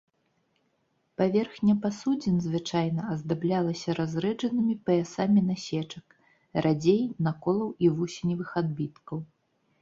Паверхня пасудзін звычайна аздаблялася разрэджанымі паясамі насечак, радзей наколаў і вусеневых адбіткаў.